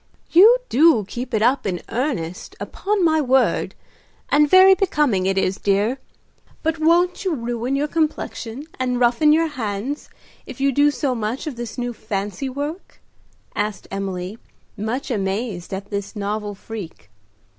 "You do 'keep it up' in earnest, upon my word; and very becoming it is, dear. But won't you ruin your complexion and roughen your hands if you do so much of this new fancy work?" asked Emily, much amazed at this novel freak.